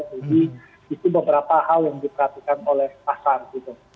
jadi itu beberapa hal yang diperhatikan oleh pasar gitu